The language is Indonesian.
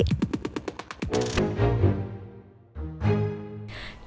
nadif mau kasih informasi penting apa sih ke rifki